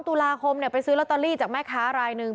ตุลาคมไปซื้อลอตเตอรี่จากแม่ค้ารายหนึ่ง